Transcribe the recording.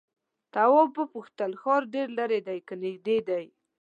تواب وپوښتل ښار ډېر ليرې دی که نږدې دی؟